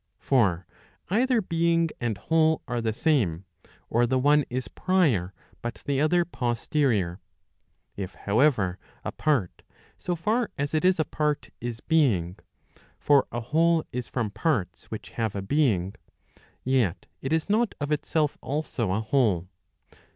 For either being and whole are the same, or the one is prior, but the other posterior. If, however, a part, so far as it is a part, is being (for a whole is from parts which have a being), yet it is not of itself also a whole.